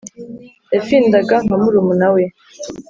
yafindaga nka murumuna we